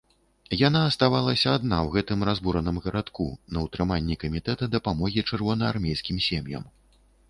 Яна аставалася адна ў гэтым разбураным гарадку, на ўтрыманні камітэта дапамогі чырвонаармейскім сем'ям.